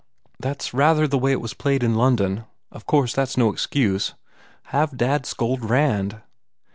"That s rather the way it was played in Lon don. Of course, that s no excuse. Have dad scold Rand."